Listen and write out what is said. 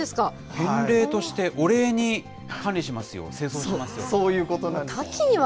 返礼として、お礼に管理しまそういうことなんです。